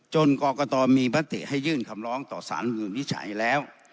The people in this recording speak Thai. จนกรกฎามีปฏิให้ยื่นคำล้องต่อสารภูมิวิจัยแล้ว